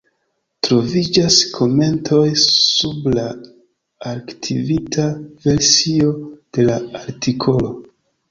Troviĝas komentoj sub la arkivita versio de la artikolo.